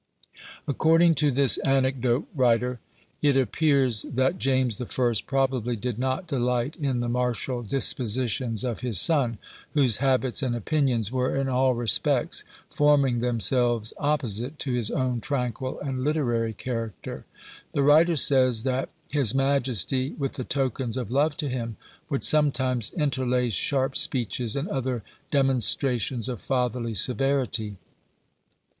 According to this anecdote writer, it appears that James the First probably did not delight in the martial dispositions of his son, whose habits and opinions were, in all respects, forming themselves opposite to his own tranquil and literary character. The writer says, that "his majesty, with the tokens of love to him, would sometimes interlace sharp speeches, and other demonstrations of fatherly severity."